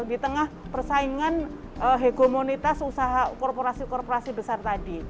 di tengah persaingan hegemonitas usaha korporasi korporasi besar tadi